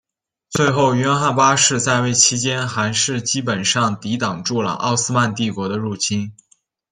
最后约翰八世在位期间还是基本上抵挡住了奥斯曼帝国的入侵。